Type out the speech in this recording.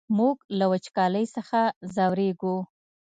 موږ له وچکالۍ څخه ځوريږو!